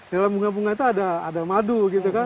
dalam bunga bunga itu ada madu gitu kan